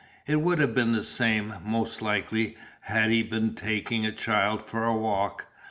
It would have been the same, most likely, had he been taking a child for a walk.